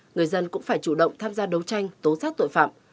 người dân cũng phải chủ động tham gia đấu tranh tố xác tội phạm